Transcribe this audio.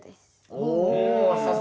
お。